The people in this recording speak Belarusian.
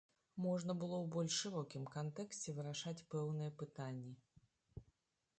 Можна было ў больш шырокім кантэксце вырашаць пэўныя пытанні.